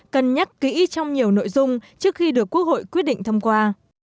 cần nhắc kỹ trong nhiều nội dung trước khi được quốc hội quyết định thăm qua